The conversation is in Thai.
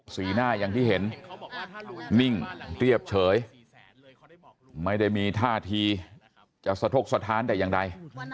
สีหน้าอย่างที่เห็นนิ่งเรียบเฉยไม่ได้มีท่าทีจะสะทกสถานแต่อย่างใด